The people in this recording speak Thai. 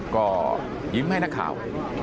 ก็ยิ้มให้นักข่าว